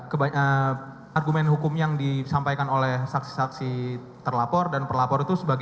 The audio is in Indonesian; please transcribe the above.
kebanyakan argumen hukum yang disampaikan oleh saksi saksi terlapor dan terlapor itu sebagai